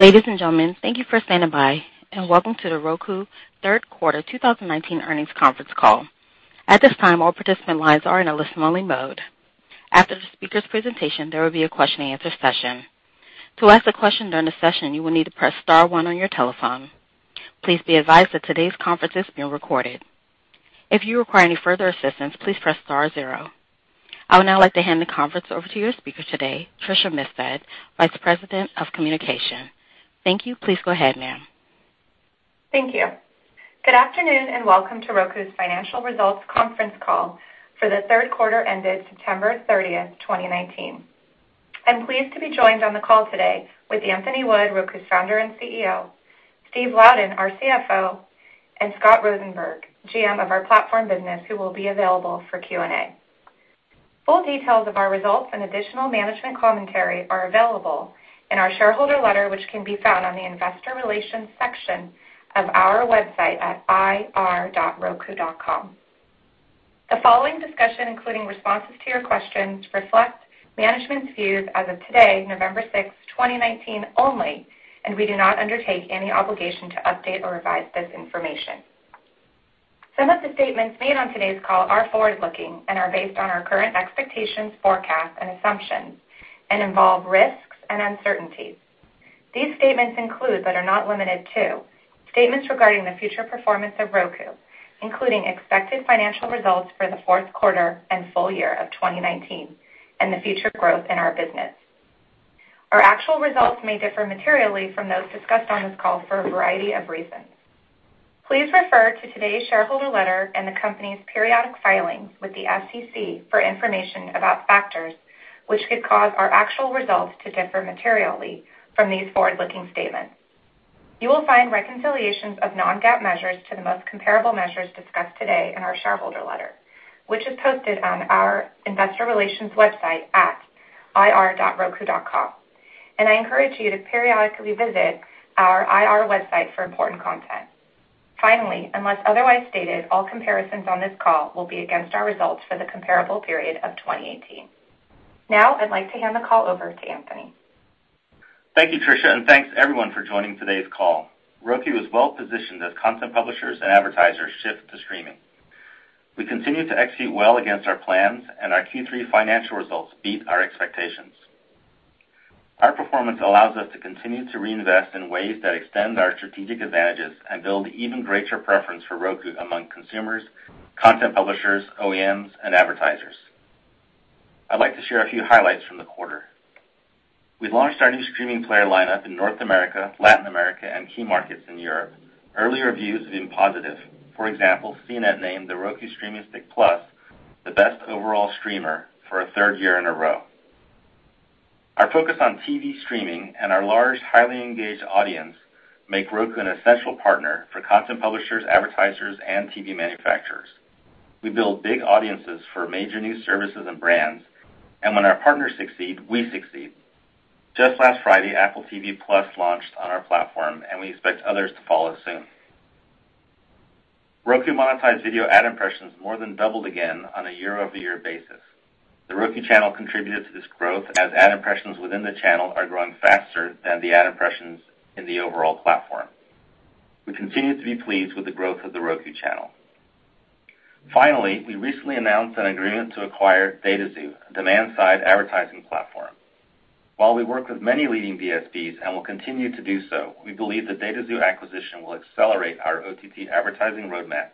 Ladies and gentlemen, thank you for standing by, and welcome to the Roku third quarter 2019 earnings conference call. At this time, all participant lines are in a listen-only mode. After the speaker's presentation, there will be a question and answer session. To ask a question during the session, you will need to press star one on your telephone. Please be advised that today's conference is being recorded. If you require any further assistance, please press star zero. I would now like to hand the conference over to your speaker today, Tricia Mifsud, Vice President of Communications. Thank you. Please go ahead, ma'am. Thank you. Good afternoon, welcome to Roku's financial results conference call for the third quarter ended September 30th, 2019. I'm pleased to be joined on the call today with Anthony Wood, Roku's Founder and CEO, Steve Louden, our CFO, and Scott Rosenberg, GM of our Platform Business, who will be available for Q&A. Full details of our results and additional management commentary are available in our shareholder letter, which can be found on the investor relations section of our website at ir.roku.com. The following discussion, including responses to your questions, reflects management's views as of today, November 6th, 2019 only, we do not undertake any obligation to update or revise this information. Some of the statements made on today's call are forward-looking and are based on our current expectations, forecasts, and assumptions, and involve risks and uncertainties. These statements include, but are not limited to, statements regarding the future performance of Roku, including expected financial results for the fourth quarter and full year of 2019 and the future growth in our business. Our actual results may differ materially from those discussed on this call for a variety of reasons. Please refer to today's shareholder letter and the company's periodic filings with the SEC for information about factors which could cause our actual results to differ materially from these forward-looking statements. You will find reconciliations of non-GAAP measures to the most comparable measures discussed today in our shareholder letter, which is posted on our investor relations website at ir.roku.com. I encourage you to periodically visit our IR website for important content. Finally, unless otherwise stated, all comparisons on this call will be against our results for the comparable period of 2018. Now, I'd like to hand the call over to Anthony. Thank you, Tricia, and thanks everyone for joining today's call. Roku is well positioned as content publishers and advertisers shift to streaming. We continue to execute well against our plans. Our Q3 financial results beat our expectations. Our performance allows us to continue to reinvest in ways that extend our strategic advantages and build even greater preference for Roku among consumers, content publishers, OEMs, and advertisers. I'd like to share a few highlights from the quarter. We launched our new streaming player lineup in North America, Latin America, and key markets in Europe. Early reviews have been positive. For example, CNET named the Roku Streaming Stick Plus the best overall streamer for a third year in a row. Our focus on TV streaming and our large, highly engaged audience make Roku an essential partner for content publishers, advertisers, and TV manufacturers. We build big audiences for major new services and brands. When our partners succeed, we succeed. Just last Friday, Apple TV+ launched on our platform, and we expect others to follow soon. Roku monetized video ad impressions more than doubled again on a year-over-year basis. The Roku Channel contributed to this growth as ad impressions within the channel are growing faster than the ad impressions in the overall platform. We continue to be pleased with the growth of The Roku Channel. We recently announced an agreement to acquire dataxu, a demand-side advertising platform. While we work with many leading DSPs and will continue to do so, we believe the dataxu acquisition will accelerate our OTT advertising roadmap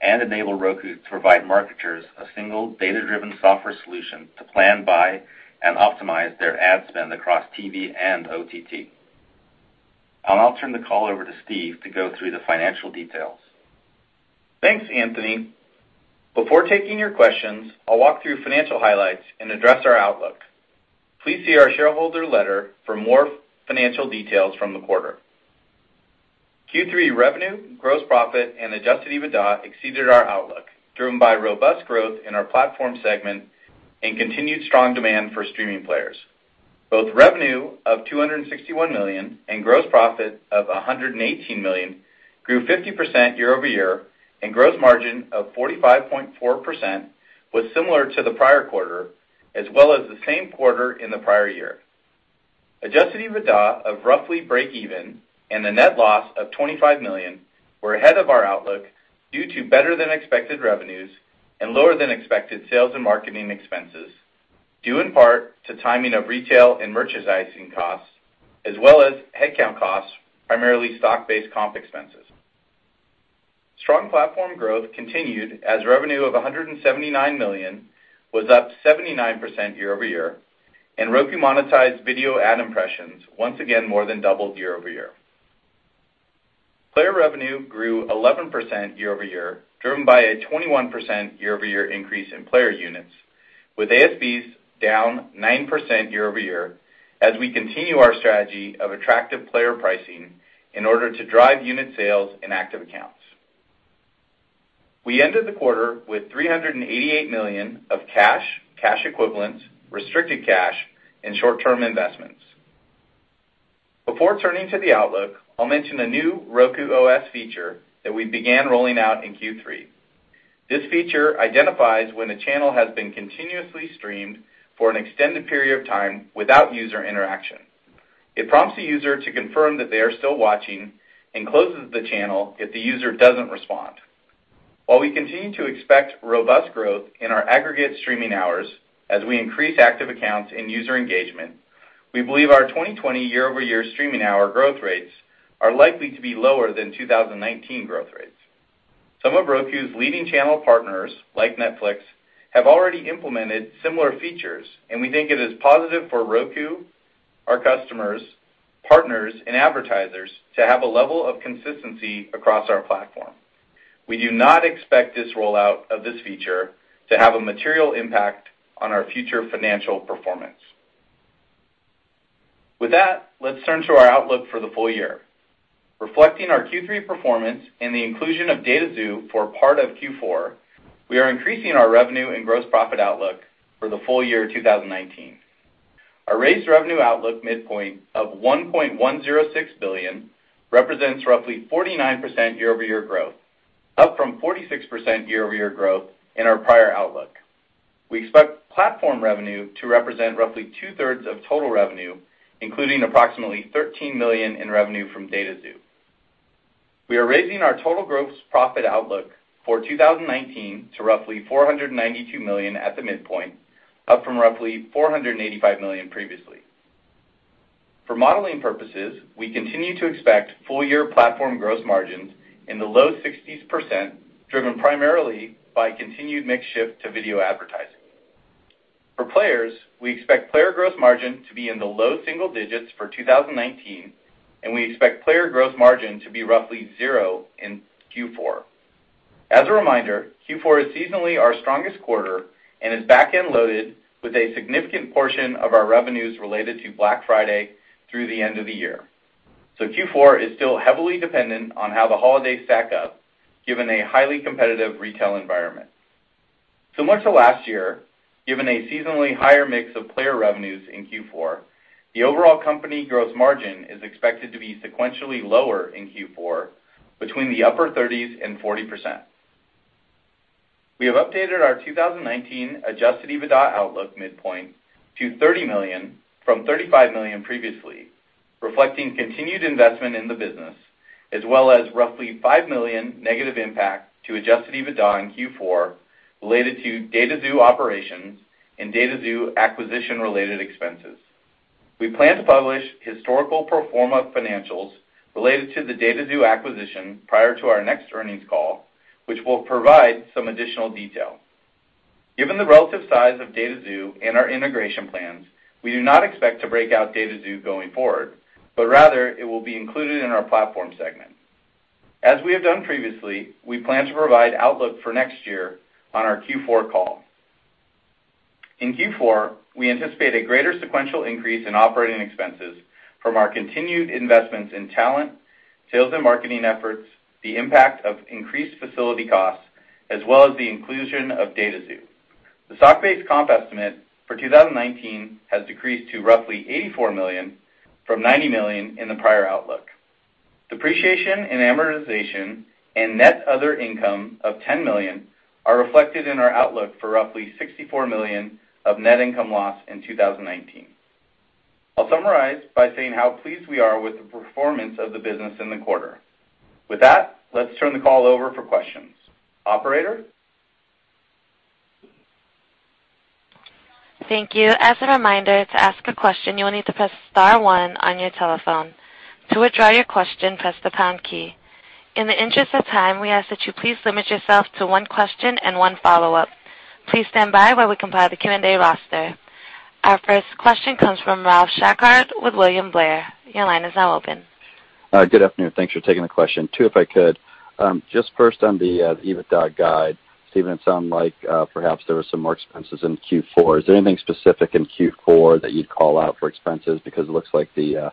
and enable Roku to provide marketers a single data-driven software solution to plan, buy, and optimize their ad spend across TV and OTT. I'll now turn the call over to Steve to go through the financial details. Thanks, Anthony. Before taking your questions, I'll walk through financial highlights and address our outlook. Please see our shareholder letter for more financial details from the quarter. Q3 revenue, gross profit, and adjusted EBITDA exceeded our outlook, driven by robust growth in our platform segment and continued strong demand for streaming players. Both revenue of $261 million and gross profit of $118 million grew 50% year-over-year, and gross margin of 45.4% was similar to the prior quarter as well as the same quarter in the prior year. Adjusted EBITDA of roughly breakeven and a net loss of $25 million were ahead of our outlook due to better than expected revenues and lower than expected sales and marketing expenses, due in part to timing of retail and merchandising costs as well as headcount costs, primarily stock-based comp expenses. Strong platform growth continued as revenue of $179 million was up 79% year-over-year, and Roku monetized video ad impressions, once again more than doubled year-over-year. Player revenue grew 11% year-over-year, driven by a 21% year-over-year increase in player units, with ASPs down 9% year-over-year as we continue our strategy of attractive player pricing in order to drive unit sales and active accounts. We ended the quarter with $388 million of cash equivalents, restricted cash, and short-term investments. Before turning to the outlook, I'll mention a new Roku OS feature that we began rolling out in Q3. This feature identifies when a channel has been continuously streamed for an extended period of time without user interaction. It prompts the user to confirm that they are still watching and closes the channel if the user doesn't respond. While we continue to expect robust growth in our aggregate streaming hours as we increase active accounts and user engagement, we believe our 2020 year-over-year streaming hour growth rates are likely to be lower than 2019 growth rates. Some of Roku's leading channel partners, like Netflix, have already implemented similar features, and we think it is positive for Roku, our customers, partners, and advertisers to have a level of consistency across our platform. We do not expect this rollout of this feature to have a material impact on our future financial performance. With that, let's turn to our outlook for the full year. Reflecting our Q3 performance and the inclusion of dataxu for part of Q4, we are increasing our revenue and gross profit outlook for the full year 2019. Our raised revenue outlook midpoint of $1.106 billion represents roughly 49% year-over-year growth, up from 46% year-over-year growth in our prior outlook. We expect platform revenue to represent roughly two-thirds of total revenue, including approximately $13 million in revenue from dataxu. We are raising our total gross profit outlook for 2019 to roughly $492 million at the midpoint, up from roughly $485 million previously. For modeling purposes, we continue to expect full-year platform gross margins in the low 60s%, driven primarily by continued mix shift to video advertising. For players, we expect player gross margin to be in the low single digits for 2019, and we expect player gross margin to be roughly zero in Q4. As a reminder, Q4 is seasonally our strongest quarter and is backend loaded with a significant portion of our revenues related to Black Friday through the end of the year. Q4 is still heavily dependent on how the holidays stack up given a highly competitive retail environment. Similar to last year, given a seasonally higher mix of player revenues in Q4, the overall company gross margin is expected to be sequentially lower in Q4 between the upper 30%-40%. We have updated our 2019 adjusted EBITDA outlook midpoint to $30 million from $35 million previously, reflecting continued investment in the business, as well as roughly $5 million negative impact to adjusted EBITDA in Q4 related to dataxu operations and dataxu acquisition-related expenses. We plan to publish historical pro forma financials related to the dataxu acquisition prior to our next earnings call, which will provide some additional detail. Given the relative size of dataxu and our integration plans, we do not expect to break out dataxu going forward, but rather it will be included in our platform segment. As we have done previously, we plan to provide outlook for next year on our Q4 call. In Q4, we anticipate a greater sequential increase in operating expenses from our continued investments in talent, sales and marketing efforts, the impact of increased facility costs, as well as the inclusion of dataxu. The stock-based comp estimate for 2019 has decreased to roughly $84 million from $90 million in the prior outlook. Depreciation and amortization and net other income of $10 million are reflected in our outlook for roughly $64 million of net income loss in 2019. I'll summarize by saying how pleased we are with the performance of the business in the quarter. With that, let's turn the call over for questions. Operator? Thank you. As a reminder, to ask a question, you will need to press star one on your telephone. To withdraw your question, press the pound key. In the interest of time, we ask that you please limit yourself to one question and one follow-up. Please stand by while we compile the Q&A roster. Our first question comes from Ralph Schackart with William Blair. Your line is now open. Good afternoon. Thanks for taking the question. Two, if I could. Just first on the EBITDA guide. Steve, it sounded like perhaps there were some more expenses in Q4. Is there anything specific in Q4 that you'd call out for expenses? It looks like the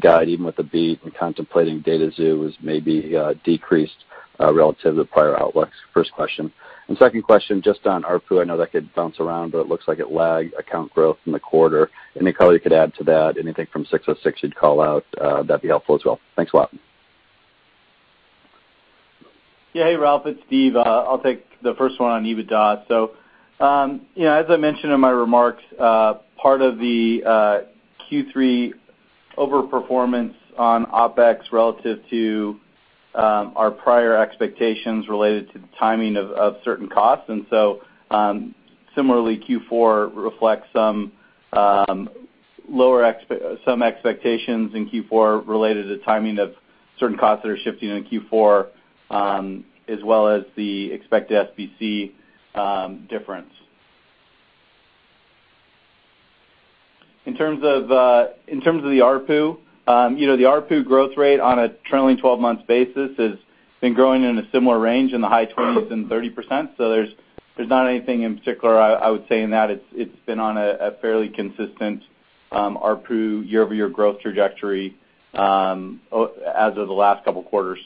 guide, even with the beat and contemplating dataxu, is maybe decreased relative to prior outlooks. First question. Second question, just on ARPU. I know that could bounce around, but it looks like it lagged account growth in the quarter. Any color you could add to that, anything from 606 you'd call out, that'd be helpful as well. Thanks a lot. Hey, Ralph, it's Steve. I'll take the first one on EBITDA. As I mentioned in my remarks, part of the Q3 over-performance on OpEx relative to our prior expectations related to the timing of certain costs. Similarly, Q4 reflects some expectations in Q4 related to timing of certain costs that are shifting in Q4, as well as the expected SBC difference. In terms of the ARPU, the ARPU growth rate on a trailing 12-month basis has been growing in a similar range in the high 20s and 30%. There's not anything in particular I would say in that. It's been on a fairly consistent ARPU year-over-year growth trajectory as of the last couple of quarters.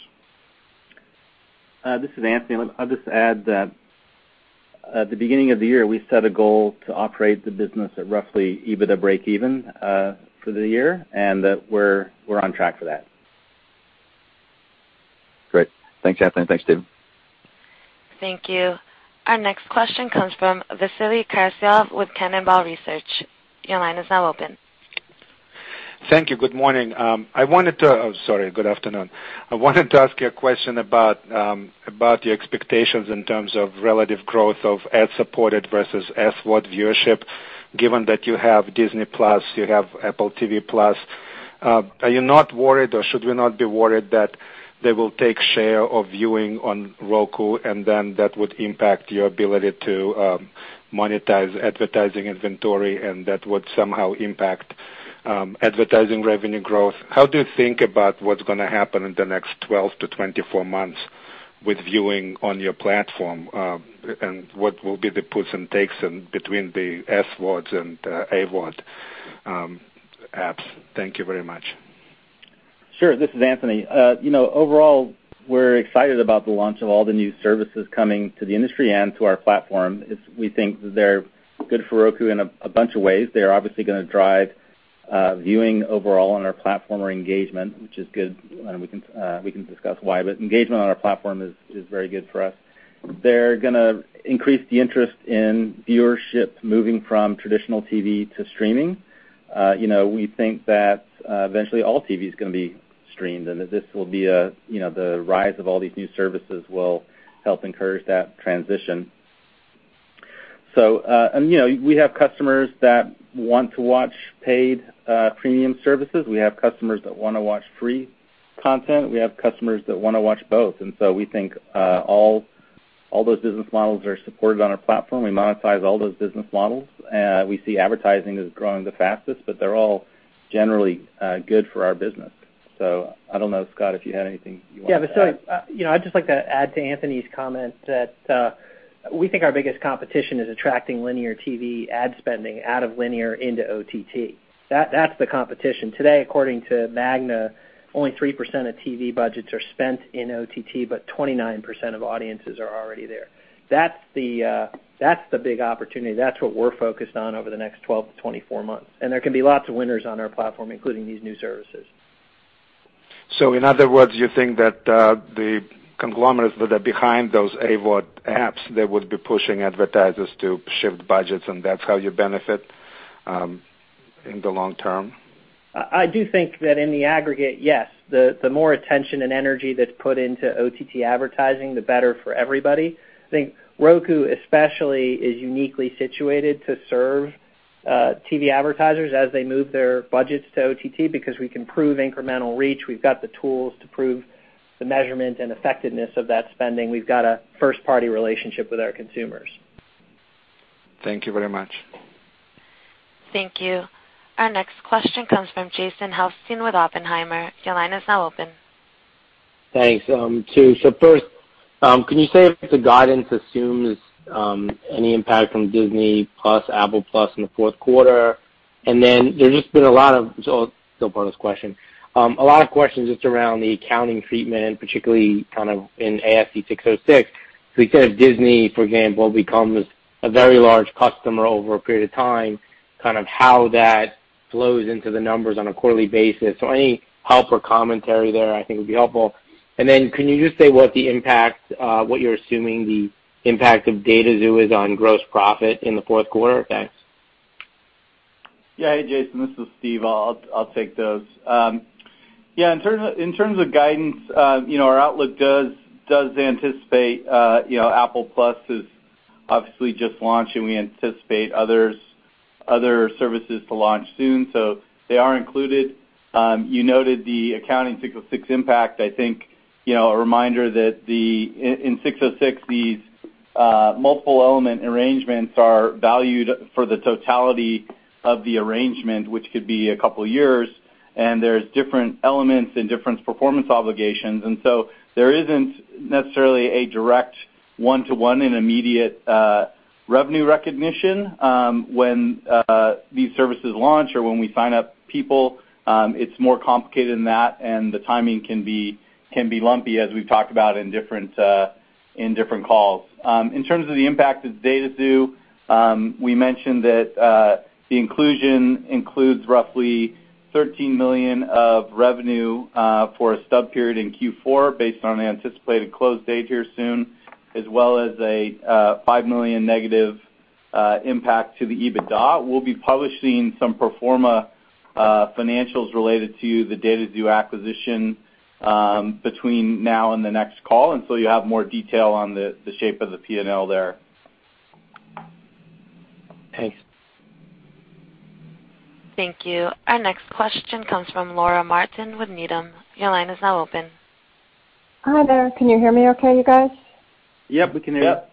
This is Anthony. I'll just add that at the beginning of the year, we set a goal to operate the business at roughly EBITDA breakeven for the year, and that we're on track for that. Great. Thanks, Anthony. Thanks, Steve. Thank you. Our next question comes from Vasily Karasyov with Cannonball Research. Your line is now open. Thank you. Good morning. Sorry, good afternoon. I wanted to ask you a question about your expectations in terms of relative growth of ad-supported versus SVOD viewership, given that you have Disney+, you have Apple TV+. Are you not worried, or should we not be worried that they will take share of viewing on Roku, and then that would impact your ability to monetize advertising inventory, and that would somehow impact advertising revenue growth? How do you think about what's going to happen in the next 12 to 24 months with viewing on your platform, and what will be the puts and takes between the SVODs and AVOD apps? Thank you very much. Sure. This is Anthony. Overall, we're excited about the launch of all the new services coming to the industry and to our platform. We think they're good for Roku in a bunch of ways. They're obviously going to drive viewing overall on our platform or engagement, which is good, and we can discuss why, but engagement on our platform is very good for us. They're going to increase the interest in viewership moving from traditional TV to streaming. We think that eventually all TV is going to be streamed, and that the rise of all these new services will help encourage that transition. We have customers that want to watch paid premium services. We have customers that want to watch free content. We have customers that want to watch both. We think all those business models are supported on our platform. We monetize all those business models. We see advertising is growing the fastest, but they're all generally good for our business. I don't know, Scott, if you had anything you wanted to add. Yeah, Vasily. I'd just like to add to Anthony's comment that we think our biggest competition is attracting linear TV ad spending out of linear into OTT. That's the competition. Today, according to Magna, only 3% of TV budgets are spent in OTT, 29% of audiences are already there. That's the big opportunity. That's what we're focused on over the next 12-24 months. There can be lots of winners on our platform, including these new services. In other words, you think that the conglomerates that are behind those AVOD apps, they would be pushing advertisers to shift budgets, and that's how you benefit in the long term? I do think that in the aggregate, yes. The more attention and energy that's put into OTT advertising, the better for everybody. I think Roku especially is uniquely situated to serve TV advertisers as they move their budgets to OTT because we can prove incremental reach. We've got the tools to prove the measurement and effectiveness of that spending. We've got a first-party relationship with our consumers. Thank you very much. Thank you. Our next question comes from Jason Helfstein with Oppenheimer. Your line is now open. Thanks. First, can you say if the guidance assumes any impact from Disney+, Apple TV+ in the fourth quarter? There's just been a lot of questions just around the accounting treatment, particularly kind of in ASC 606. We said if Disney, for example, becomes a very large customer over a period of time, kind of how that flows into the numbers on a quarterly basis. Any help or commentary there I think would be helpful. Can you just say what you're assuming the impact of dataxu is on gross profit in the fourth quarter? Thanks. Hey, Jason. This is Steve. I'll take those. In terms of guidance, our outlook does anticipate Apple Plus is obviously just launching. We anticipate other services to launch soon. They are included. You noted the accounting 606 impact. I think, a reminder that in 606, these multiple element arrangements are valued for the totality of the arrangement, which could be a couple of years, and there's different elements and different performance obligations. There isn't necessarily a direct one-to-one and immediate revenue recognition when these services launch or when we sign up people. It's more complicated than that, and the timing can be lumpy, as we've talked about in different calls. In terms of the impact of dataxu, we mentioned that the inclusion includes roughly $13 million of revenue for a sub-period in Q4 based on the anticipated close date here soon, as well as a $5 million negative impact to the EBITDA. We'll be publishing some pro forma financials related to the dataxu acquisition between now and the next call, you have more detail on the shape of the P&L there. Thanks. Thank you. Our next question comes from Laura Martin with Needham. Your line is now open. Hi there. Can you hear me okay, you guys? Yep, we can hear you. Yep.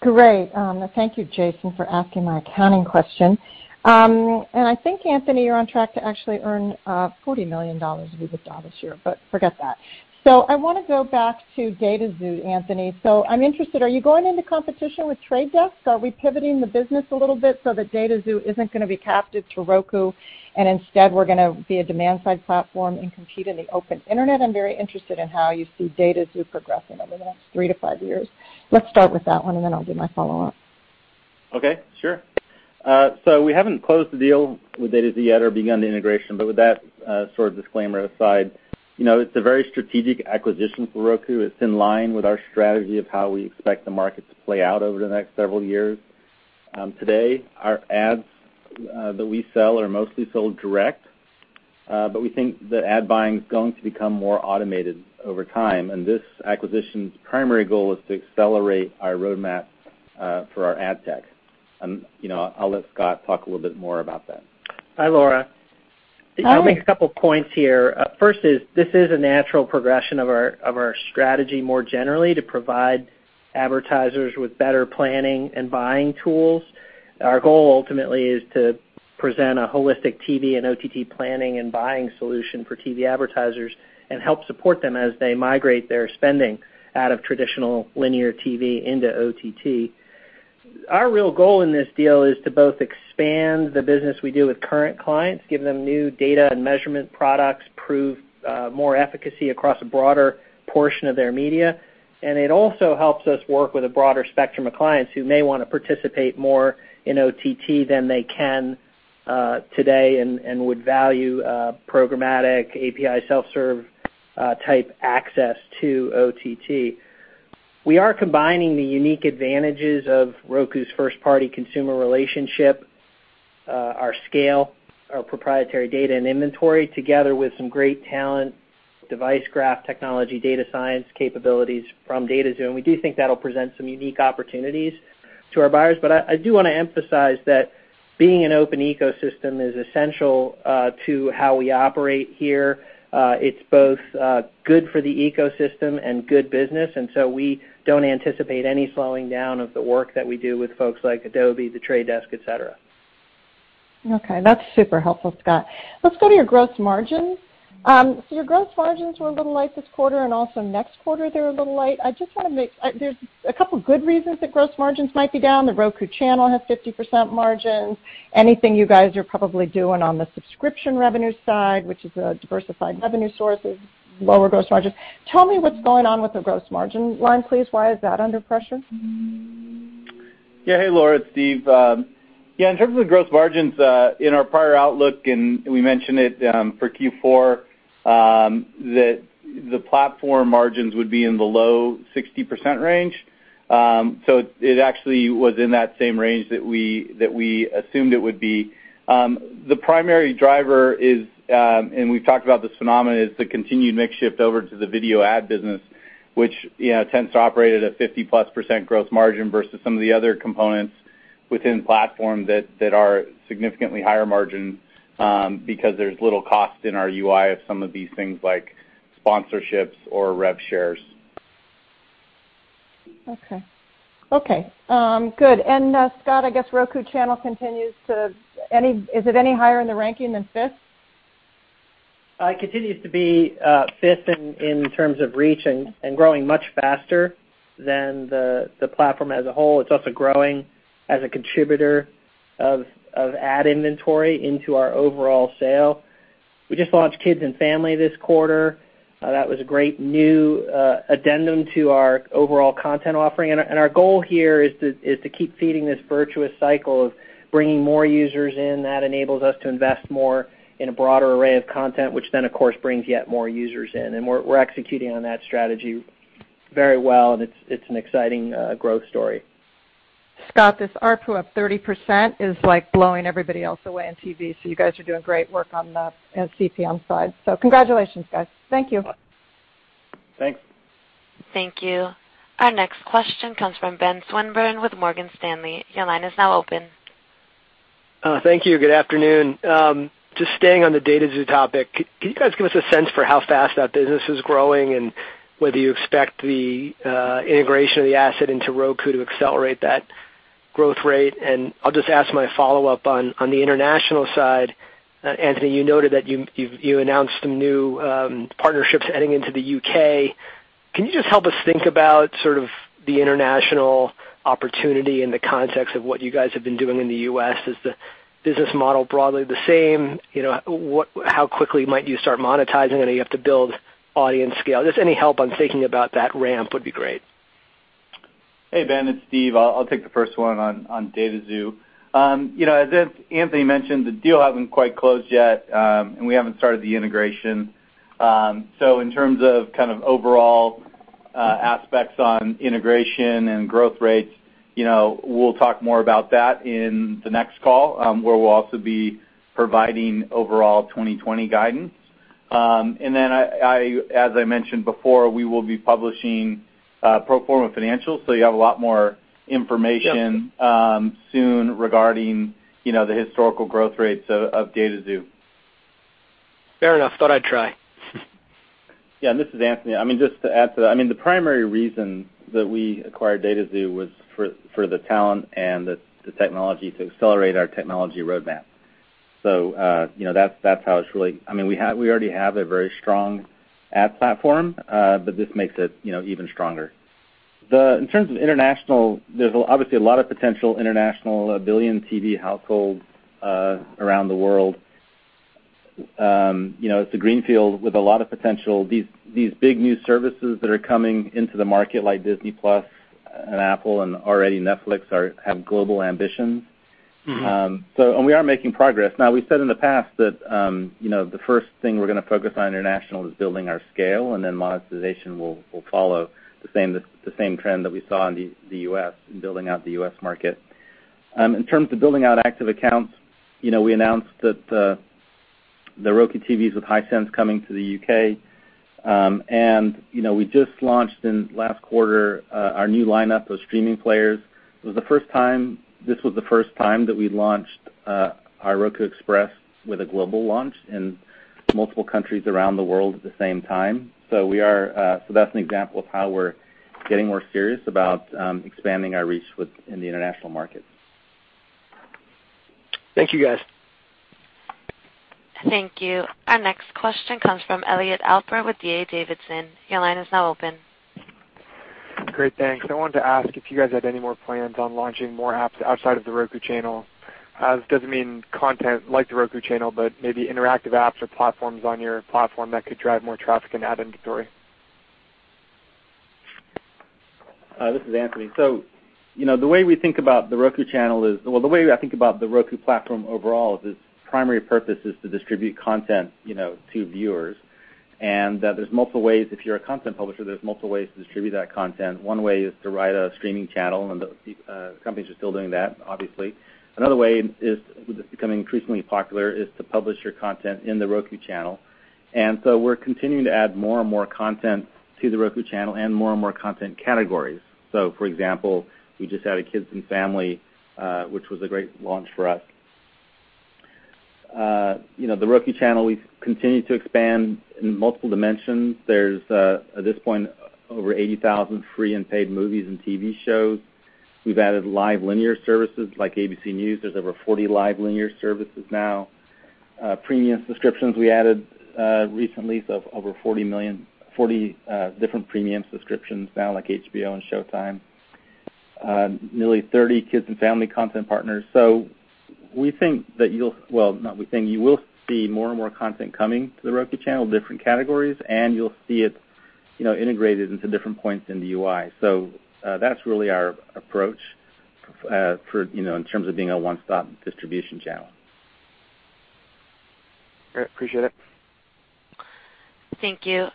Great. Thank you, Jason, for asking my accounting question. I think, Anthony, you're on track to actually earn $40 million of EBITDA this year, forget that. I want to go back to dataxu, Anthony. I'm interested, are you going into competition with Trade Desk? Are we pivoting the business a little bit so that dataxu isn't going to be captive to Roku and instead we're going to be a demand-side platform and compete in the open internet? I'm very interested in how you see dataxu progressing over the next three to five years. Let's start with that one, then I'll do my follow-up. Okay, sure. We haven't closed the deal with dataxu yet or begun the integration, but with that sort of disclaimer aside, it's a very strategic acquisition for Roku. It's in line with our strategy of how we expect the market to play out over the next several years. Today, our ads that we sell are mostly sold direct, but we think that ad buying's going to become more automated over time, and this acquisition's primary goal is to accelerate our roadmap for our ad tech. I'll let Scott talk a little bit more about that. Hi, Laura. Hi. I'll make a couple points here. First is, this is a natural progression of our strategy more generally to provide advertisers with better planning and buying tools. Our goal ultimately is to present a holistic TV and OTT planning and buying solution for TV advertisers and help support them as they migrate their spending out of traditional linear TV into OTT. Our real goal in this deal is to both expand the business we do with current clients, give them new data and measurement products, prove more efficacy across a broader portion of their media, and it also helps us work with a broader spectrum of clients who may want to participate more in OTT than they can today and would value programmatic API self-serve type access to OTT. We are combining the unique advantages of Roku's first-party consumer relationship, our scale, our proprietary data and inventory, together with some great talent, device graph technology, data science capabilities from dataxu, we do think that'll present some unique opportunities to our buyers. I do want to emphasize that being an open ecosystem is essential to how we operate here. It's both good for the ecosystem and good business, we don't anticipate any slowing down of the work that we do with folks like Adobe, The Trade Desk, et cetera. That's super helpful, Scott. Your gross margins were a little light this quarter, and also next quarter, they're a little light. There's a couple good reasons that gross margins might be down. The Roku Channel has 50% margins. Anything you guys are probably doing on the subscription revenue side, which is a diversified revenue source, is lower gross margins. Tell me what's going on with the gross margin line, please. Why is that under pressure? Yeah. Hey, Laura. It's Steve. In terms of the gross margins, in our prior outlook, and we mentioned it for Q4, that the platform margins would be in the low 60% range. It actually was in that same range that we assumed it would be. The primary driver is, and we've talked about this phenomenon, is the continued mix shift over to the video ad business, which tends to operate at a 50-plus % gross margin versus some of the other components within platform that are significantly higher margin because there's little cost in our UI of some of these things like sponsorships or rev shares. Okay. Good. Scott, Is it any higher in the ranking than fifth? It continues to be fifth in terms of reach and growing much faster than the platform as a whole. It's also growing as a contributor of ad inventory into our overall sale. We just launched Kids & Family this quarter. That was a great new addendum to our overall content offering, and our goal here is to keep feeding this virtuous cycle of bringing more users in. That enables us to invest more in a broader array of content, which then, of course, brings yet more users in. We're executing on that strategy very well, and it's an exciting growth story. Scott, this ARPU up 30% is blowing everybody else away in TV, you guys are doing great work on the CPM side. Congratulations, guys. Thank you. Thanks. Thank you. Our next question comes from Ben Swinburne with Morgan Stanley. Your line is now open. Thank you. Good afternoon. Just staying on the dataxu topic, can you guys give us a sense for how fast that business is growing and whether you expect the integration of the asset into Roku to accelerate that growth rate? I'll just ask my follow-up on the international side. Anthony, you noted that you announced some new partnerships heading into the U.K. Can you just help us think about sort of the international opportunity in the context of what you guys have been doing in the U.S.? Is the business model broadly the same? How quickly might you start monetizing it? I know you have to build audience scale. Just any help on thinking about that ramp would be great. Hey, Ben. It's Steve. I'll take the first one on dataxu. As Anthony mentioned, the deal haven't quite closed yet, and we haven't started the integration. In terms of kind of overall aspects on integration and growth rates, we'll talk more about that in the next call, where we'll also be providing overall 2020 guidance. As I mentioned before, we will be publishing pro forma financials, so you have a lot more information soon regarding the historical growth rates of dataxu. Fair enough. Thought I'd try. Yeah, this is Anthony. Just to add to that, the primary reason that we acquired dataxu was for the talent and the technology to accelerate our technology roadmap. We already have a very strong ad platform, this makes it even stronger. In terms of international, there's obviously a lot of potential international, 1 billion TV households around the world. It's a greenfield with a lot of potential. These big new services that are coming into the market, like Disney+ and Apple, and already Netflix, have global ambitions. And we are making progress. Now, we said in the past that the first thing we're going to focus on international is building our scale, and then monetization will follow the same trend that we saw in the U.S., in building out the U.S. market. In terms of building out active accounts, we announced that the Roku TVs with Hisense coming to the U.K. We just launched in last quarter, our new lineup of streaming players. This was the first time that we launched our Roku Express with a global launch in multiple countries around the world at the same time. That's an example of how we're getting more serious about expanding our reach in the international market. Thank you, guys. Thank you. Our next question comes from Elliot Alper with DA Davidson. Your line is now open. Great, thanks. I wanted to ask if you guys had any more plans on launching more apps outside of The Roku Channel. This doesn't mean content like The Roku Channel, but maybe interactive apps or platforms on your platform that could drive more traffic and ad inventory. This is Anthony. The way I think about the Roku platform overall, is its primary purpose is to distribute content to viewers, and if you're a content publisher, there's multiple ways to distribute that content. One way is to write a streaming channel, and companies are still doing that, obviously. Another way is, becoming increasingly popular, is to publish your content in The Roku Channel. We're continuing to add more and more content to The Roku Channel and more and more content categories. For example, we just added Kids & Family, which was a great launch for us. The Roku Channel, we've continued to expand in multiple dimensions. There's, at this point, over 80,000 free and paid movies and TV shows. We've added live linear services like ABC News. There's over 40 live linear services now. Premium subscriptions we added recently, over 40 different premium subscriptions now, like HBO and Showtime. Nearly 30 Kids & Family content partners. Well, not we think. You will see more and more content coming to The Roku Channel, different categories, and you will see it integrated into different points in the UI. That's really our approach in terms of being a one-stop distribution channel. Great. Appreciate it. Thank you.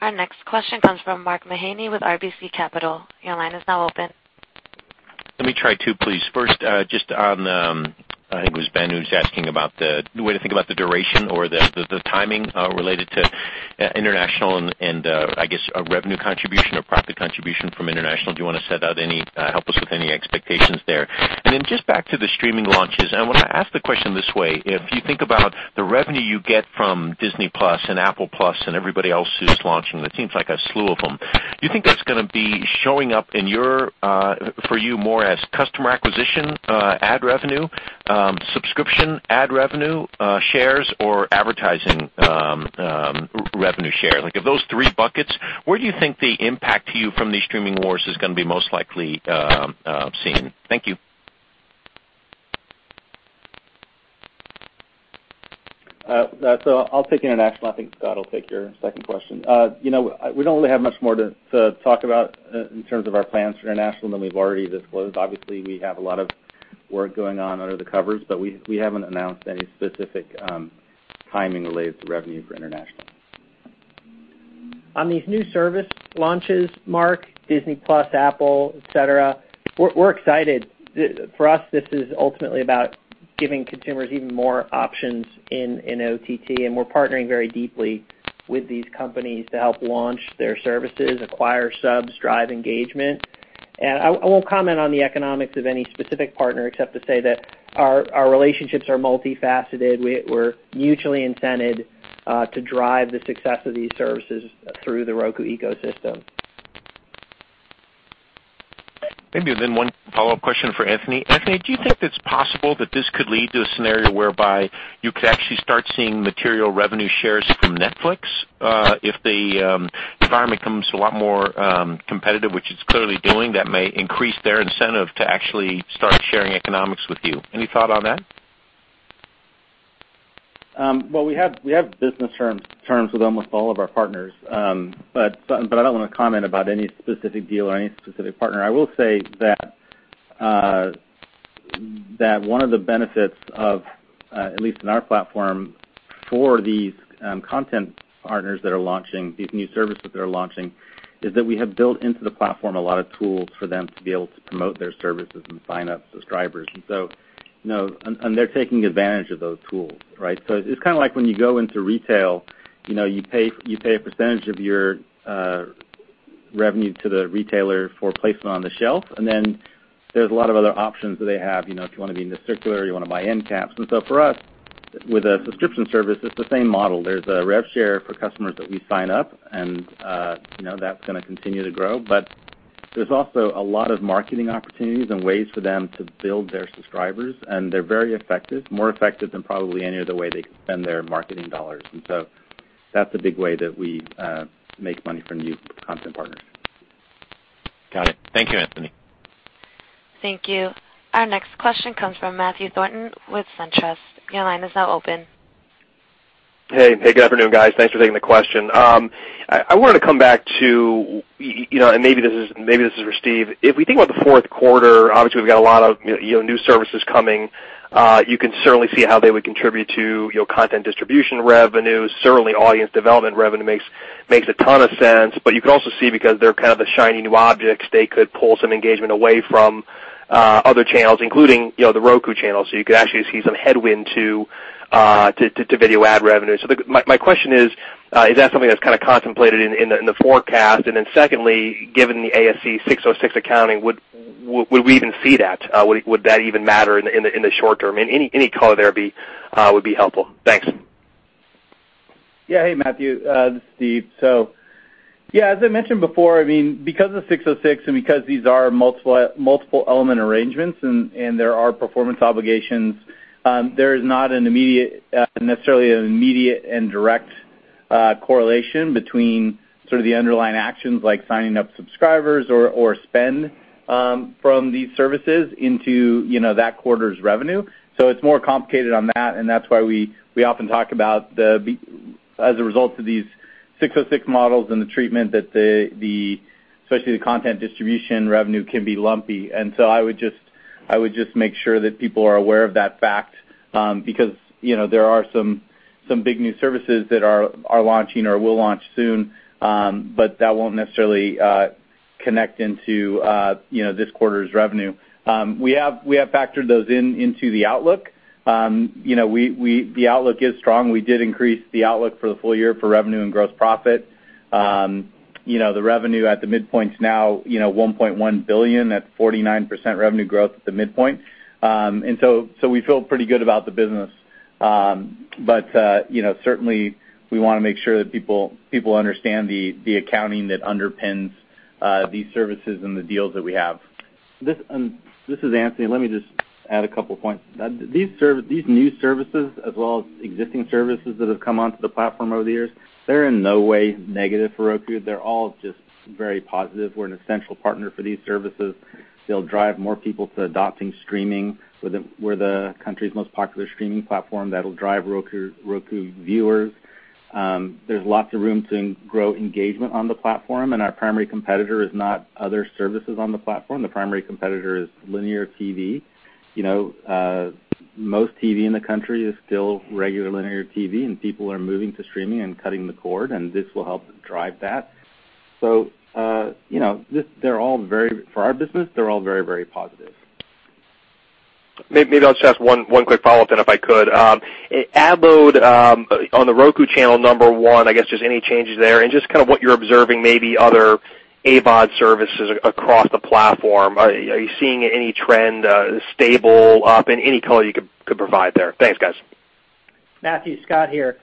Our next question comes from Mark Mahaney with RBC Capital. Your line is now open. Let me try two, please. First, just on, I think it was Ben who is asking about the way to think about the duration or the timing related to international and, I guess, a revenue contribution or profit contribution from international. Do you want to help us with any expectations there? Just back to the streaming launches, and I want to ask the question this way. If you think about the revenue you get from Disney+ and Apple TV+ and everybody else who is launching, it seems like a slew of them. Do you think that's going to be showing up for you more as customer acquisition ad revenue, subscription ad revenue shares, or advertising revenue share? Like of those three buckets, where do you think the impact to you from these streaming wars is going to be most likely seen? Thank you. I'll take international, I think Scott will take your second question. We don't really have much more to talk about in terms of our plans for international than we've already disclosed. Obviously, we have a lot of work going on under the covers, but we haven't announced any specific timing related to revenue for international. On these new service launches, Mark, Disney+, Apple, et cetera, we're excited. For us, this is ultimately about giving consumers even more options in OTT, we're partnering very deeply with these companies to help launch their services, acquire subs, drive engagement. I won't comment on the economics of any specific partner except to say that our relationships are multifaceted. We're mutually incented to drive the success of these services through the Roku ecosystem. Maybe one follow-up question for Anthony. Anthony, do you think it's possible that this could lead to a scenario whereby you could actually start seeing material revenue shares from Netflix? If the environment becomes a lot more competitive, which it's clearly doing, that may increase their incentive to actually start sharing economics with you. Any thought on that? Well, we have business terms with almost all of our partners. I don't want to comment about any specific deal or any specific partner. I will say that one of the benefits of, at least in our platform, for these content partners that are launching these new services that they're launching, is that we have built into the platform a lot of tools for them to be able to promote their services and sign up subscribers. They're taking advantage of those tools, right? It's kind of like when you go into retail, you pay a percentage of your revenue to the retailer for placement on the shelf. Then there's a lot of other options that they have. If you want to be in the circular, you want to buy end caps. For us, with a subscription service, it's the same model. There's a rev share for customers that we sign up, and that's going to continue to grow. There's also a lot of marketing opportunities and ways for them to build their subscribers, and they're very effective, more effective than probably any other way they could spend their marketing dollars. That's a big way that we make money from new content partners. Got it. Thank you, Anthony. Thank you. Our next question comes from Matthew Thornton with SunTrust. Your line is now open. Hey. Good afternoon, guys. Thanks for taking the question. I wanted to come back to, maybe this is for Steve. If we think about the fourth quarter, obviously, we've got a lot of new services coming. You can certainly see how they would contribute to your content distribution revenue. Certainly, audience development revenue makes a ton of sense. You can also see because they're kind of the shiny new objects, they could pull some engagement away from other channels, including, The Roku Channel. You could actually see some headwind to video ad revenue. My question is that something that's kind of contemplated in the forecast? Secondly, given the ASC 606 accounting, would we even see that? Would that even matter in the short term? Any color there would be helpful. Thanks. Hey, Matthew. This is Steve. As I mentioned before, because of 606 and because these are multiple element arrangements and there are performance obligations, there is not necessarily an immediate and direct correlation between sort of the underlying actions like signing up subscribers or spend from these services into that quarter's revenue. It's more complicated on that, and that's why we often talk about, as a result of these 606 models and the treatment, especially the content distribution revenue can be lumpy. I would just make sure that people are aware of that fact. Because there are some big new services that are launching or will launch soon, but that won't necessarily connect into this quarter's revenue. We have factored those into the outlook. The outlook is strong. We did increase the outlook for the full year for revenue and gross profit. The revenue at the midpoint's now $1.1 billion. That's 49% revenue growth at the midpoint. We feel pretty good about the business. Certainly, we want to make sure that people understand the accounting that underpins these services and the deals that we have. This is Anthony. Let me just add a couple of points. These new services as well as existing services that have come onto the platform over the years, they're in no way negative for Roku. They're all just very positive. We're an essential partner for these services. They'll drive more people to adopting streaming. We're the country's most popular streaming platform. That'll drive Roku viewers. There's lots of room to grow engagement on the platform. Our primary competitor is not other services on the platform. The primary competitor is linear TV. Most TV in the country is still regular linear TV. People are moving to streaming and cutting the cord, and this will help drive that. For our business, they're all very, very positive. Maybe I'll just ask one quick follow-up then, if I could. Ad load on The Roku Channel, number one, I guess just any changes there and just kind of what you're observing maybe other AVOD services across the platform. Are you seeing any trend, stable, up, and any color you could provide there? Thanks, guys. Matthew, Scott here.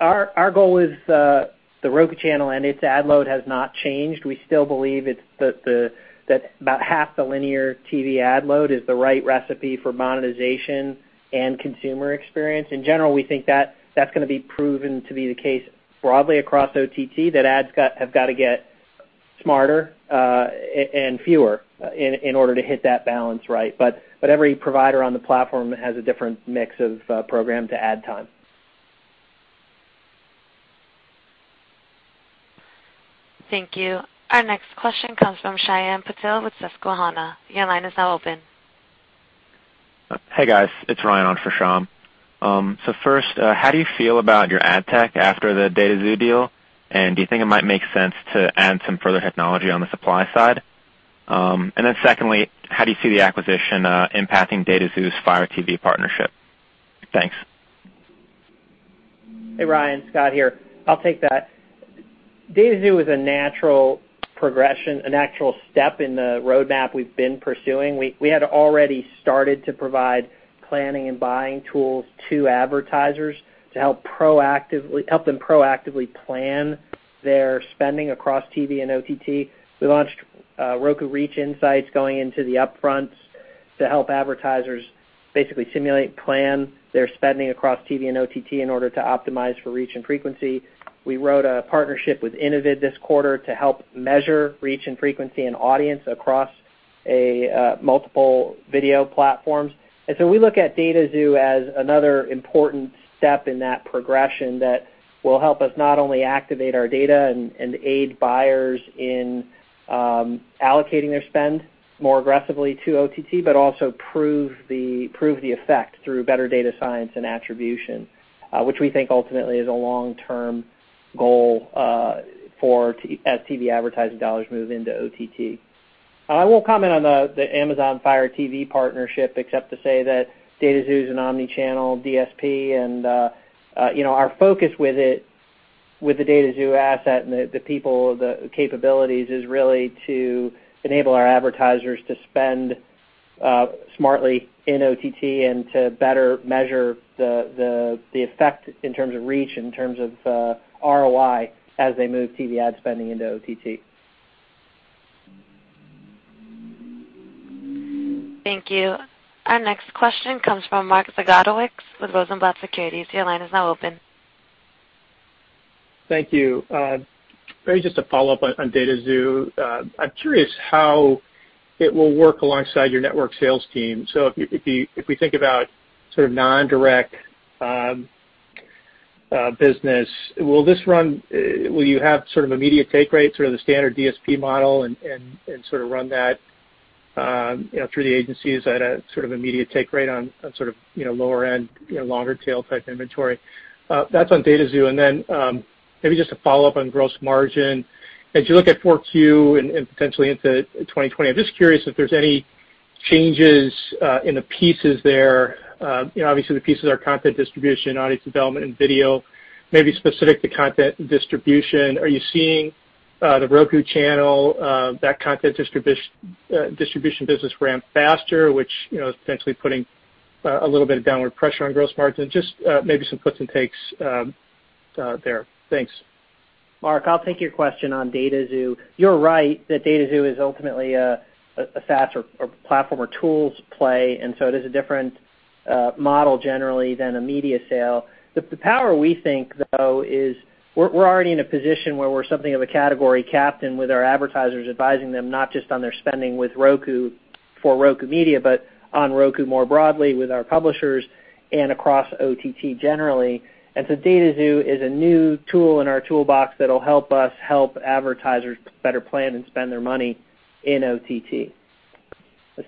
Our goal is The Roku Channel and its ad load has not changed. We still believe that about half the linear TV ad load is the right recipe for monetization and consumer experience. In general, we think that's going to be proven to be the case broadly across OTT, that ads have got to get smarter and fewer in order to hit that balance right. Every provider on the platform has a different mix of program to ad time. Thank you. Our next question comes from Shyam Patil with Susquehanna. Your line is now open. Hey, guys. It's Ryan on for Shyam. First, how do you feel about your ad tech after the dataxu deal, and do you think it might make sense to add some further technology on the supply side? Secondly, how do you see the acquisition impacting dataxu's Fire TV partnership? Thanks. Hey, Ryan. Scott here. I'll take that. dataxu is a natural progression, a natural step in the roadmap we've been pursuing. We had already started to provide planning and buying tools to advertisers to help them proactively plan their spending across TV and OTT. We launched Roku Reach Insights going into the upfronts to help advertisers basically simulate, plan their spending across TV and OTT in order to optimize for reach and frequency. We wrote a partnership with Innovid this quarter to help measure reach and frequency and audience across multiple video platforms. We look at dataxu as another important step in that progression that will help us not only activate our data and aid buyers in allocating their spend more aggressively to OTT, but also prove the effect through better data science and attribution, which we think ultimately is a long-term goal as TV advertising dollars move into OTT. I won't comment on the Amazon Fire TV partnership except to say that dataxu is an omni-channel DSP, and our focus with the dataxu asset and the people, the capabilities, is really to enable our advertisers to spend smartly in OTT and to better measure the effect in terms of reach, in terms of ROI, as they move TV ad spending into OTT. Thank you. Our next question comes from Mark Zgutowicz with Rosenblatt Securities. Your line is now open. Thank you. Maybe just a follow-up on dataxu. I'm curious how it will work alongside your network sales team. If we think about non-direct business, will you have immediate take rate, the standard DSP model, and run that through the agencies at an immediate take rate on lower end, longer tail type inventory? That's on dataxu, and then maybe just a follow-up on gross margin. As you look at 4Q and potentially into 2020, I'm just curious if there's any changes in the pieces there. Obviously, the pieces are content distribution, audience development, and video, maybe specific to content distribution. Are you seeing The Roku Channel, that content distribution business ramp faster, which is potentially putting a little bit of downward pressure on gross margin? Just maybe some puts and takes there. Thanks. Mark, I'll take your question on dataxu. You're right that dataxu is ultimately a SaaS or platform or tools play, it is a different model generally than a media sale. The power we think, though, is we're already in a position where we're something of a category captain with our advertisers advising them not just on their spending with Roku for Roku media, but on Roku more broadly with our publishers and across OTT generally. dataxu is a new tool in our toolbox that'll help us help advertisers better plan and spend their money in OTT.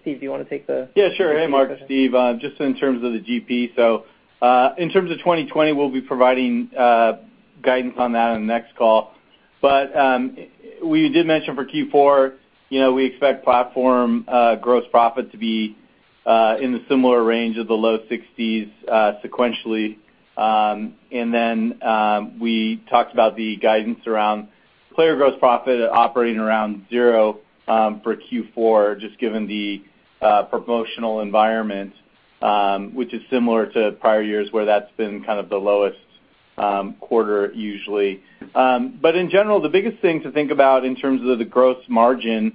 Steve, do you want to take the- Yeah, sure. Hey, Mark, Steve. Just in terms of the GP, in terms of 2020, we'll be providing guidance on that on the next call. We did mention for Q4, we expect platform gross profit to be in the similar range of the low 60s sequentially. We talked about the guidance around player gross profit operating around zero for Q4, just given the promotional environment, which is similar to prior years where that's been kind of the lowest quarter usually. In general, the biggest thing to think about in terms of the gross margin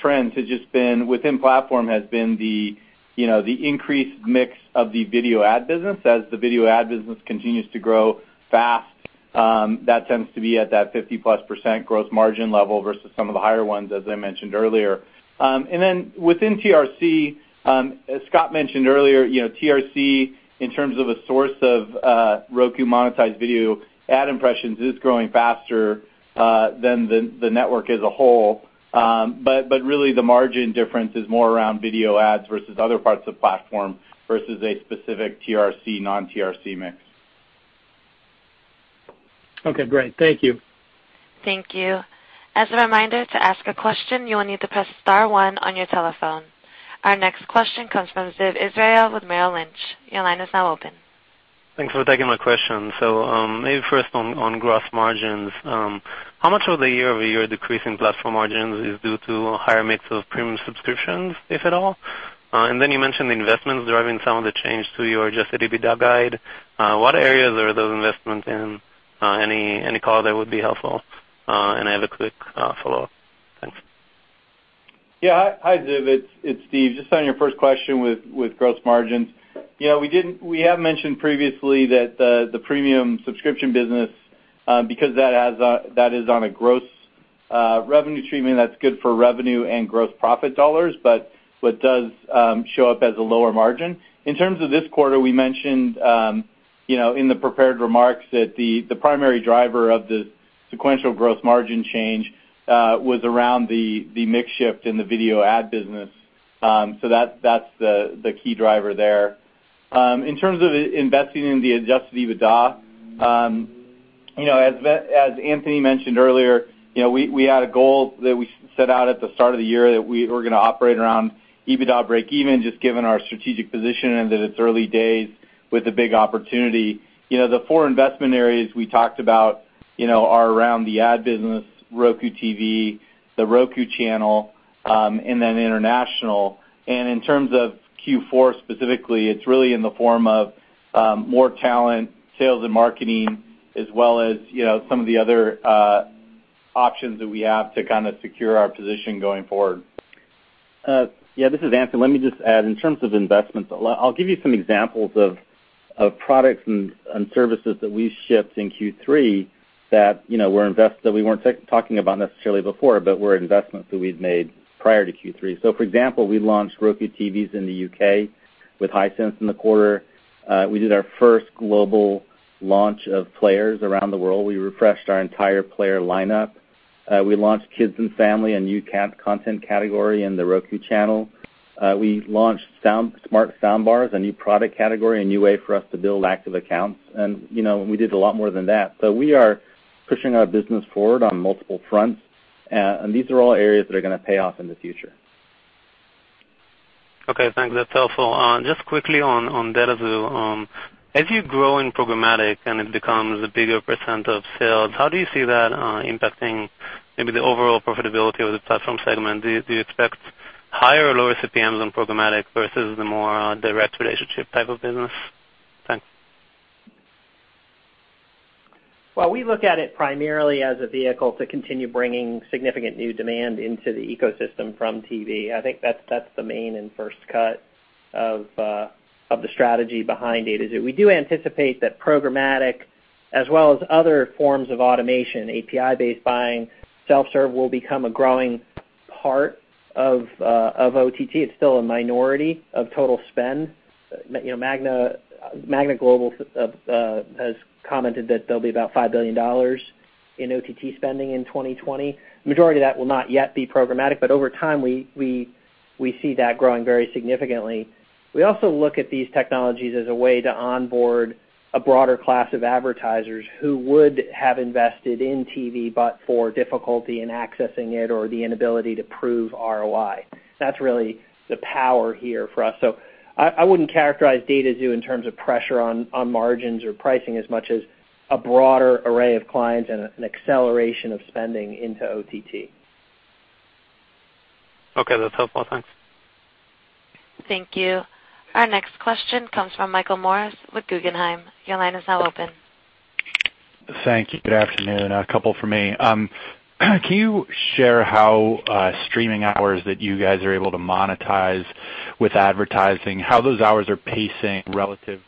trends within platform has been the increased mix of the video ad business. As the video ad business continues to grow fast, that tends to be at that 50-plus % gross margin level versus some of the higher ones, as I mentioned earlier. Within TRC, as Scott mentioned earlier, TRC in terms of a source of Roku monetized video ad impressions is growing faster than the network as a whole. The margin difference is more around video ads versus other parts of platform versus a specific TRC, non-TRC mix. Okay, great. Thank you. Thank you. As a reminder to ask a question, you will need to press star one on your telephone. Our next question comes from Ziv Israel with Merrill Lynch. Your line is now open. Thanks for taking my question. Maybe first on gross margins. How much of the year-over-year decrease in platform margins is due to a higher mix of premium subscriptions, if at all? Then you mentioned the investments driving some of the change to your adjusted EBITDA guide. What areas are those investments in? Any color there would be helpful. I have a quick follow-up. Thanks. Yeah. Hi, Ziv. It's Steve. Just on your first question with gross margins. We have mentioned previously that the premium subscription business because that is on a gross revenue treatment that's good for revenue and gross profit dollars, but what does show up as a lower margin. In terms of this quarter, we mentioned in the prepared remarks that the primary driver of the sequential gross margin change was around the mix shift in the video ad business. That's the key driver there. In terms of investing in the adjusted EBITDA, as Anthony mentioned earlier, we had a goal that we set out at the start of the year that we were going to operate around EBITDA breakeven, just given our strategic position and that it's early days with a big opportunity. The four investment areas we talked about are around the ad business, Roku TV, The Roku Channel, and then international. In terms of Q4 specifically, it's really in the form of more talent, sales, and marketing, as well as some of the other options that we have to kind of secure our position going forward. This is Anthony. Let me just add in terms of investments, I'll give you some examples of products and services that we shipped in Q3 that we weren't talking about necessarily before, but were investments that we'd made prior to Q3. For example, we launched Roku TVs in the U.K. with Hisense in the quarter. We did our first global launch of players around the world. We refreshed our entire player lineup. We launched Kids & Family, a new content category in The Roku Channel. We launched Smart Soundbar, a new product category, a new way for us to build active accounts. We did a lot more than that. We are pushing our business forward on multiple fronts, and these are all areas that are going to pay off in the future. Okay, thanks. That's helpful. Just quickly on dataxu. As you grow in programmatic and it becomes a bigger % of sales, how do you see that impacting maybe the overall profitability of the platform segment? Do you expect higher or lower CPMs on programmatic versus the more direct relationship type of business? Thanks. Well, we look at it primarily as a vehicle to continue bringing significant new demand into the ecosystem from TV. I think that's the main and first cut of the strategy behind dataxu. We do anticipate that programmatic, as well as other forms of automation, API-based buying, self-serve, will become a growing part of OTT. It's still a minority of total spend. MAGNA Global has commented that there'll be about $5 billion in OTT spending in 2020. Majority of that will not yet be programmatic, but over time, we see that growing very significantly. We also look at these technologies as a way to onboard a broader class of advertisers who would have invested in TV, but for difficulty in accessing it or the inability to prove ROI. That's really the power here for us. I wouldn't characterize dataxu in terms of pressure on margins or pricing as much as a broader array of clients and an acceleration of spending into OTT. Okay. That's helpful. Thanks. Thank you. Our next question comes from Michael Morris with Guggenheim. Your line is now open. Thank you. Good afternoon. A couple from me. Can you share how streaming hours that you guys are able to monetize with advertising, how those hours are pacing relative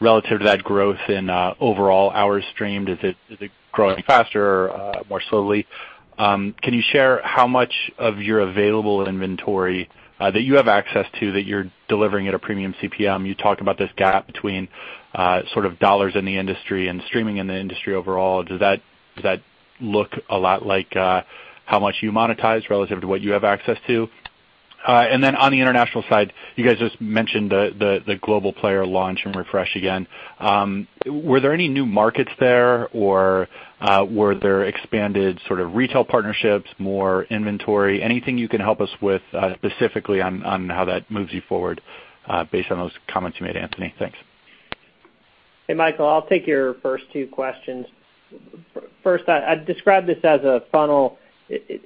to that growth in overall hours streamed? Is it growing faster or more slowly? Can you share how much of your available inventory that you have access to, that you're delivering at a premium CPM? You talked about this gap between dollars in the industry and streaming in the industry overall. Does that look a lot like how much you monetize relative to what you have access to? On the international side, you guys just mentioned the global player launch and refresh again. Were there any new markets there or were there expanded sort of retail partnerships, more inventory? Anything you can help us with specifically on how that moves you forward based on those comments you made, Anthony? Thanks. Hey, Michael. I'll take your first two questions. First, I'd describe this as a funnel.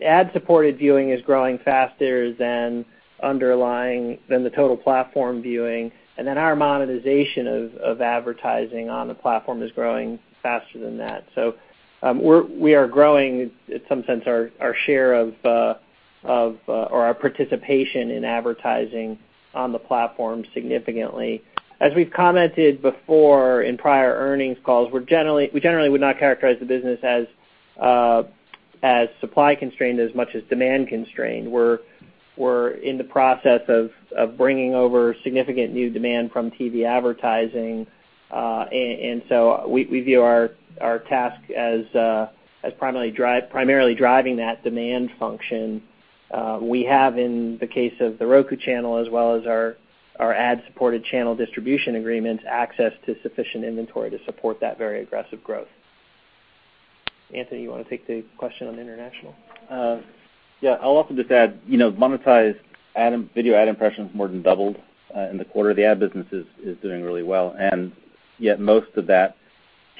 Ad-supported viewing is growing faster than the total platform viewing, and then our monetization of advertising on the platform is growing faster than that. We are growing, in some sense, our share or our participation in advertising on the platform significantly. As we've commented before in prior earnings calls, we generally would not characterize the business as supply-constrained as much as demand-constrained. We're in the process of bringing over significant new demand from TV advertising. We view our task as primarily driving that demand function. We have, in the case of The Roku Channel, as well as our ad-supported channel distribution agreements, access to sufficient inventory to support that very aggressive growth. Anthony, you want to take the question on international? I'll also just add, monetized video ad impressions more than doubled in the quarter. The ad business is doing really well, yet most of that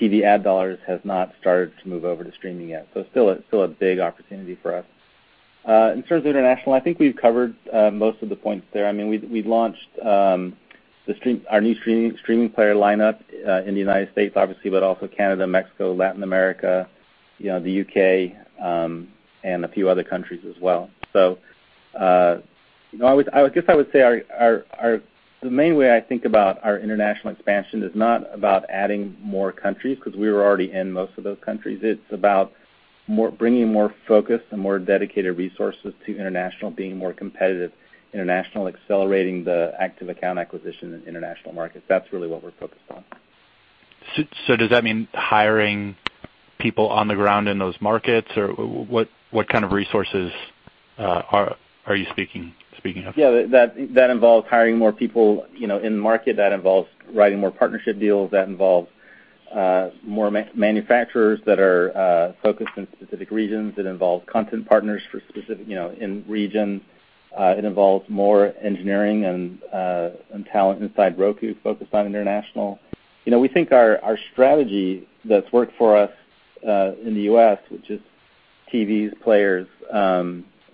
TV ad dollars has not started to move over to streaming yet. It's still a big opportunity for us. In terms of international, I think we've covered most of the points there. We've launched our new streaming player lineup in the U.S., obviously, but also Canada, Mexico, Latin America, the U.K., and a few other countries as well. I guess I would say the main way I think about our international expansion is not about adding more countries because we were already in most of those countries. It's about bringing more focus and more dedicated resources to international, being more competitive international, accelerating the active account acquisition in international markets. That's really what we're focused on. Does that mean hiring people on the ground in those markets? Or what kind of resources are you speaking of? Yeah, that involves hiring more people in the market. That involves writing more partnership deals. That involves more manufacturers that are focused in specific regions. It involves content partners in regions. It involves more engineering and talent inside Roku focused on international. We think our strategy that's worked for us in the U.S., which is TVs, players,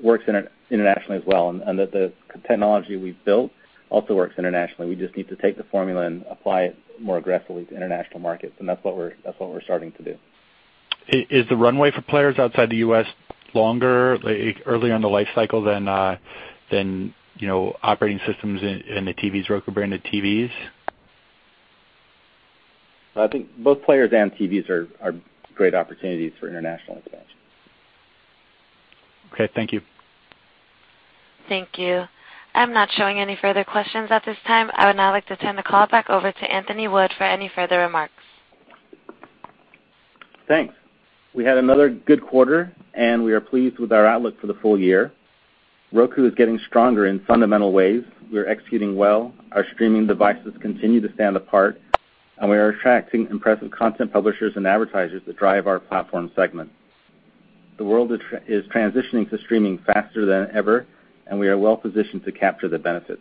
works internationally as well, and that the technology we've built also works internationally. We just need to take the formula and apply it more aggressively to international markets, and that's what we're starting to do. Is the runway for players outside the U.S. longer, like, earlier in the life cycle than operating systems in the TVs, Roku-branded TVs? I think both players and TVs are great opportunities for international expansion. Okay, thank you. Thank you. I'm not showing any further questions at this time. I would now like to turn the call back over to Anthony Wood for any further remarks. Thanks. We had another good quarter, and we are pleased with our outlook for the full year. Roku is getting stronger in fundamental ways. We're executing well. Our streaming devices continue to stand apart, and we are attracting impressive content publishers and advertisers that drive our platform segment. The world is transitioning to streaming faster than ever, and we are well positioned to capture the benefit.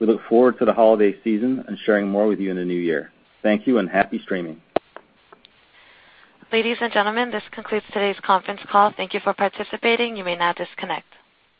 We look forward to the holiday season and sharing more with you in the new year. Thank you, and happy streaming. Ladies and gentlemen, this concludes today's conference call. Thank you for participating. You may now disconnect.